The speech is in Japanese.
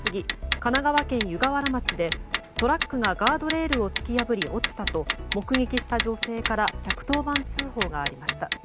神奈川県湯河原町でトラックがガードレールを突き破り落ちたと目撃した女性から１１０番通報がありました。